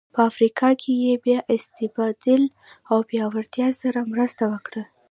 په افریقا کې یې بیا استبداد او پیاوړتیا سره مرسته وکړه.